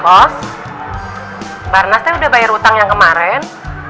bos barnas udah bayar utang yang kemarin